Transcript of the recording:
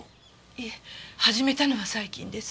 いえ始めたのは最近です。